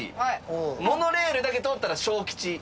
モノレールだけ通ったら小吉。